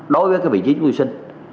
đối với cái vị trí chúng tôi sinh